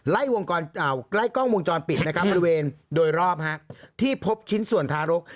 ไล่กล้องวงจรปิดบริเวณโดยรอบที่พบชิ้นส่วนทารก